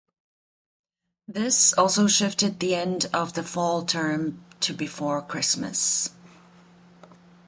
This also shifted the end of the fall term to before Christmas.